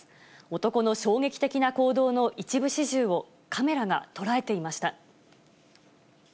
男の衝撃的な行動の一部始終をカメラが捉えていました。